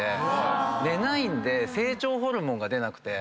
寝ないんで成長ホルモンが出なくて。